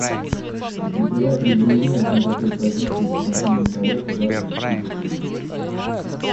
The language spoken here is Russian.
Секретариат не занимает никакой позиции в отношении того, куда поместить документы.